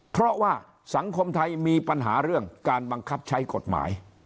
เพราะว่าสังคมไทยมีปัญหาเรื่องการบังคับใช้กฎหมาย